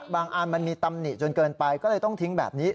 อันมันมีตำหนิจนเกินไปก็เลยต้องทิ้งแบบนี้